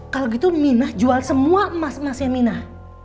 kalau gitu mina jual semua emas emasnya minah